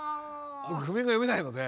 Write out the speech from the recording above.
僕譜面が読めないので。